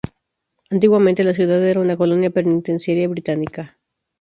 Antiguamente la ciudad era una colonia penitenciaria británica.